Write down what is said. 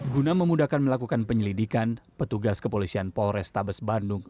guna memudahkan melakukan penyelidikan petugas kepolisian polres tabes bandung